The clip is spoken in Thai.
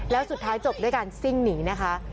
แล้วสุดท้ายจบด้วยการซิ่งหนีนะคะ